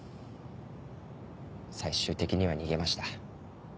最終的には逃げました。